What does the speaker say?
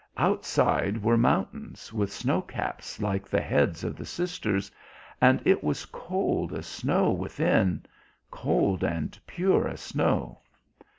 Outside were mountains with snow caps like the heads of the sisters, and it was cold as snow within, cold and pure as snow.